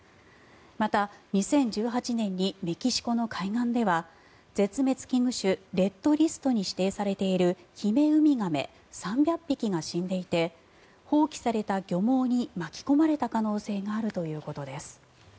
また、２０１８年にメキシコの海岸では絶滅危惧種、レッドリストに指定されているヒメウミガメ３００匹が死んでいて放棄された漁網に巻き込まれた可能性があるということです。